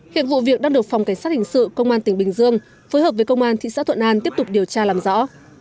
hiện vụ việc đang được phòng cảnh sát hình sự công an tỉnh bình dương phối hợp với công an thị xã thuận an tiếp tục điều tra làm rõ